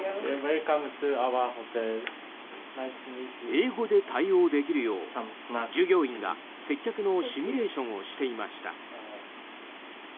英語で対応できるよう従業員が接客のシミュレーションをしていました。